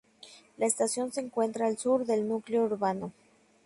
La estación se encuentra al sur del núcleo urbano.